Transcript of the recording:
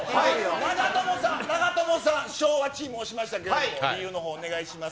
長友さん、長友さん、昭和チーム押しましたけれども、理由のほう、お願いします。